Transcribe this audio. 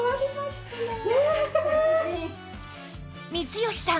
光吉さん